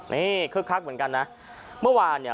เมื่อวานเนี่ย